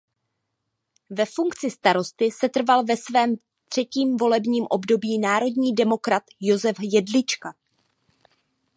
Ve funkci starosty setrval ve svém třetím volebním období národní demokrat Josef Jedlička.